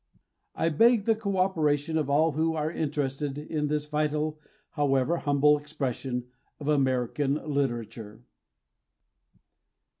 I beg the co operation of all who are interested in this vital, however humble, expression of American literature.